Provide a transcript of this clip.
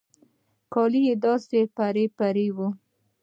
کالي يې داسې پرې پرې وو.